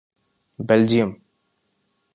Belgium